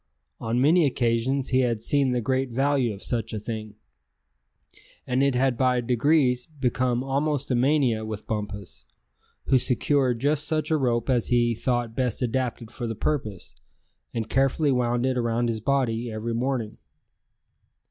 On many occasions he had seen the great value of such a thing; and it had by degrees become almost a mania with Bumpus; who secured just such a rope as he thought best adapted for the purpose, and carefully wound it around his body every morning.